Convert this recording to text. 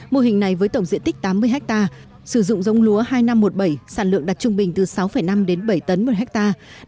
mô hình này với tổng diện tích tám mươi hectare sử dụng dông lúa hai năm một bảy sản lượng đặt trung bình từ sáu năm đến bảy tấn một hectare